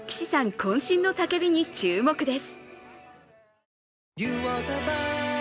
こん身の叫びに注目です。